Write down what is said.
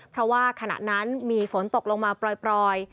เพราะว่าขณะนั้นมีฝนตกลงมาปล่อย